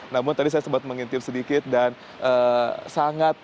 namun tadi saya sempat mengintip sedikit dan sangat